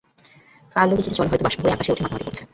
কালো দিঘির জল হয়তো বাষ্প হয়ে আকাশে উঠে মাতামাতি করছে।